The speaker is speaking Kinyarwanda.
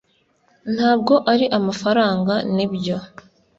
Ntabwo ari amafaranga nibyo